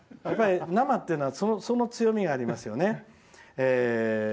生っていうのはその強みがありますね。